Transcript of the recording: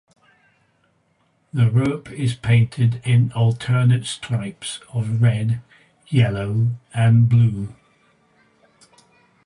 The rope is painted in alternate stripes of red, yellow, and blue.